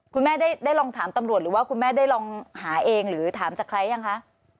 คุณแม่ได้ลองถามตำรวจหรือว่าคุณแม่ได้ลองหาเองหรือถามจากใครยังคะ